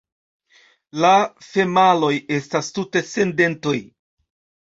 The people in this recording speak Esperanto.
La femaloj estas tute sen dentoj.